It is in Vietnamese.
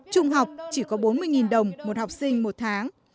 trung học chỉ có bốn mươi đồng một học sinh một tháng